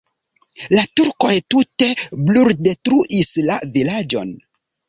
La turkoj tute bruldetruis la vilaĝon.